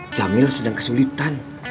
jamil sedang kesulitan